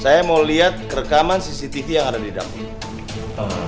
saya mau lihat rekaman cctv yang ada di dapur